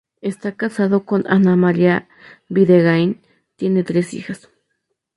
Está casado con Ana María Bidegain, tiene tres hijas.